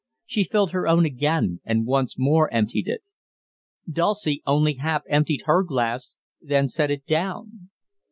She filled her own again and once more emptied it. Dulcie only half emptied her glass, then set it down.